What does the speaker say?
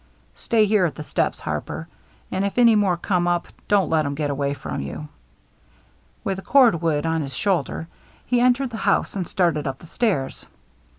"Stay here at the steps. Harper, and if any more come up, don't let 'em get away from you." With the cord wood on his shoulder, he entered the house and started up the stairs.